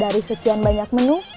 dari sekian banyak menu